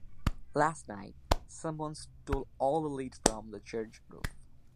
Last night, someone stole all the lead from the church roof.